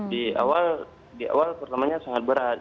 di awal di awal pertamanya sangat berat